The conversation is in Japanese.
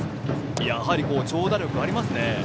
やはり長打力がありますね。